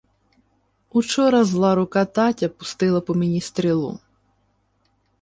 — Учора зла рука татя пустила по мені стрілу.